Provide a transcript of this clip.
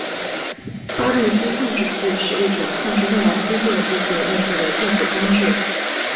发动机控制器是一种控制内燃机各个部分运作的电子装置。